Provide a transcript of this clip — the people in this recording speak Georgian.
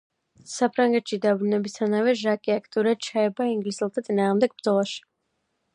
საფრანგეთში დაბრუნებისთანავე, ჟაკი აქტიურად ჩაება ინგლისელთა წინააღმდეგ ბრძოლაში.